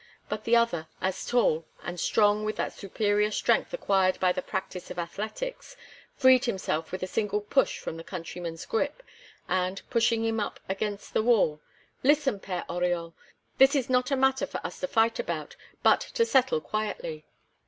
But the other, as tall, and strong with that superior strength acquired by the practice of athletics, freed himself with a single push from the countryman's grip, and, pushing him up against the wall: "Listen, Père Oriol, this is not a matter for us to fight about, but to settle quietly.